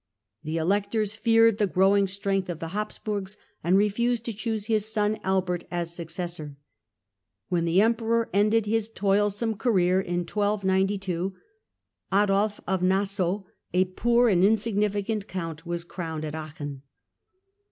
The Electors feared the growing strength of the Habsburgs and refused to choose his son Albert as successor. When the Emperor ended his toilsome career in 1292, Adolf of Nassau, a poor and insignifi cant Count, was crowned at Aachen.